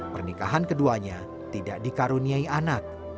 pernikahan keduanya tidak dikaruniai anak